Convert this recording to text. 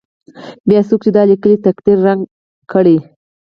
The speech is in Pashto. بیا څوک دی چې دا لیکلی تقدیر ړنګ کړي.